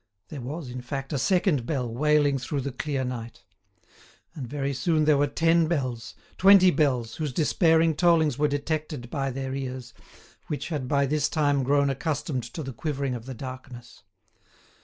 There was, in fact, a second bell wailing through the clear night. And very soon there were ten bells, twenty bells, whose despairing tollings were detected by their ears, which had by this time grown accustomed to the quivering of the darkness.